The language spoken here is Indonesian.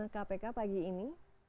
pertanyaan dari rutan kpk pagi ini